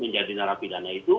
menjadi narapidana itu